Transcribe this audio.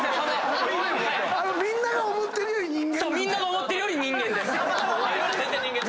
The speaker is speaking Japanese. ⁉みんなが思ってるより人間なんだ。